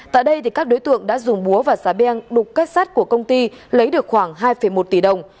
tại đây thì các đối tượng đã dùng búa và xá beng đục cách sát của công ty lấy được khoảng hai một tỷ đồng